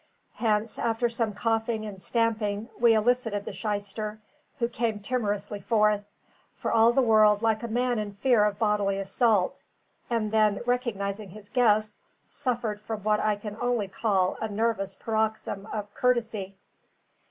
Hence, after some coughing and stamping, we elicited the shyster, who came timorously forth, for all the world like a man in fear of bodily assault, and then, recognising his guests, suffered from what I can only call a nervous paroxysm of courtesy.